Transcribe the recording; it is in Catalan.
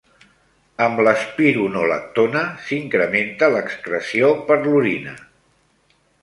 Amb l'espironolactona s'incrementa l'excreció per l'orina.